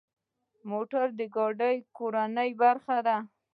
موټر د ګاډو کورنۍ برخه ده.